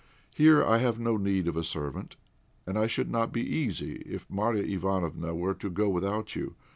Here I have no need of a servant, and I should not be easy if Marya Ivánofna were to go without you.